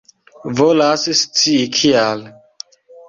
Volas scii kial.